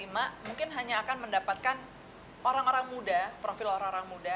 mungkin hanya akan mendapatkan profil orang orang muda